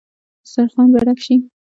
دسترخان به ډک شي.